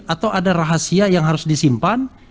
atau ada rahasia yang harus disimpan